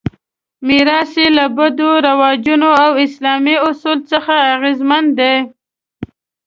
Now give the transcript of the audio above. میراث یې له بدوي رواجونو او اسلامي اصولو څخه اغېزمن دی.